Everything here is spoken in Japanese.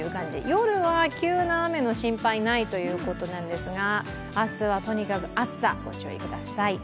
夜は急な雨の心配ないということなんですが明日はとにかく暑さ、ご注意ください。